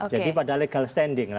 jadi pada legal standing